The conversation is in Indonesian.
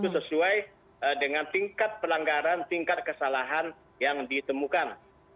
sesuai dengan tingkat pelanggaran tingkat kesalahan yang ditemukan